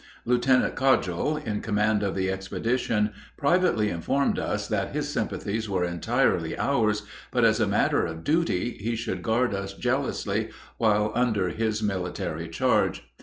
Lieutenant Cogdill, in command of the expedition, privately informed us that his sympathies were entirely ours, but as a matter of duty he should guard us jealously while under his military charge.